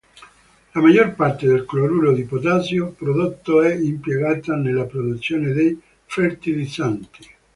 La maggior parte del cloruro di potassio prodotto è impiegata nella produzione di fertilizzanti.